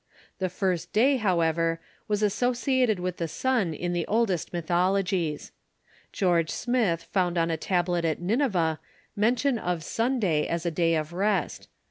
The first day, however, was associated with the sun in the oldest mythologies. George Smith found on a tablet at Nineveh mention of Sunday as a day of rest.